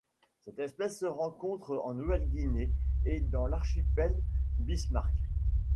Cette espèce se rencontre en Nouvelle-Guinée et dans l'archipel Bismarck.